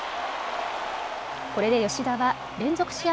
これで吉田は連続試合